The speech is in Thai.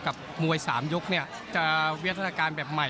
กับมวยสามยกเนี่ยจะเวียดธนาคารแบบใหม่